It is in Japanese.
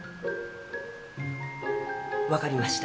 分かりました。